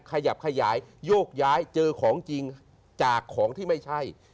ขยับขยายโยกย้ายเจอของจริงจากของที่ไม่ใช่